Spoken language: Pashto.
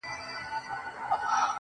چا ويل ه ستا د لاس پر تندي څه ليـــكـلي,